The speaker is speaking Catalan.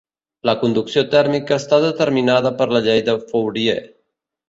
La conducció tèrmica està determinada per la llei de Fourier.